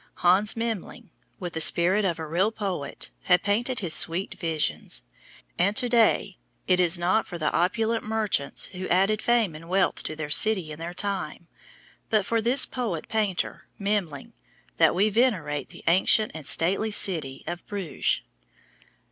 Hans Memling, with the spirit of a real poet, had painted his sweet visions, and to day it is not for the opulent merchants who added fame and wealth to their city in their time, but for this poet painter, Memling, that we venerate the ancient and stately city of Bruges.